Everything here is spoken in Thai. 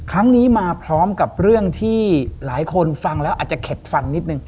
ครั้งนี้มาพร้อมกับเรื่องที่หลายคนฟังแล้วอาจจะเข็ดฟันนิดนึง